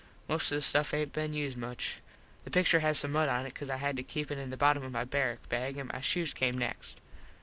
Most of the stuff aint been used much. The pictur has some mud on it cause I had to keep it in the bottom of my barrak bag an my shoes came next.